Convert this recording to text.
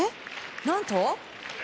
何と？